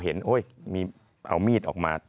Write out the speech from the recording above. โอ๊ยมีเอามีดออกมา